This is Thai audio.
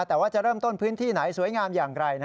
แต่ว่าจะเริ่มต้นพื้นที่ไหนสวยงามอย่างไร